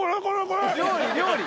料理料理。